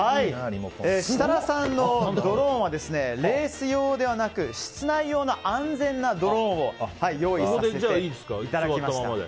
設楽さんのドローンはレース用ではなく室内用の安全なドローンを用意させていただきました。